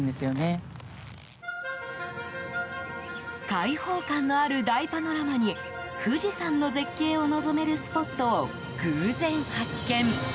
開放感のある大パノラマに富士山の絶景を望めるスポットを偶然発見。